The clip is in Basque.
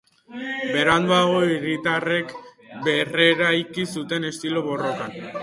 Beranduago, hiritarrek berreraiki zuten estilo barrokoan.